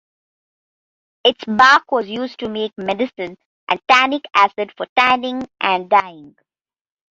Its bark was used to make medicine and tannic acid for tanning and dyeing.